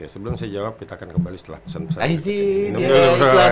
sebelum saya jawab kita akan kembali setelah pesan pesan